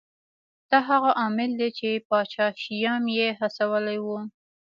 دا هغه عامل دی چې پاچا شیام یې هڅولی و.